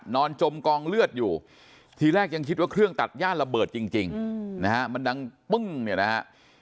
จมกองเลือดอยู่ทีแรกยังคิดว่าเครื่องตัดย่านระเบิดจริงนะฮะมันดังปึ้งเนี่ยนะฮะ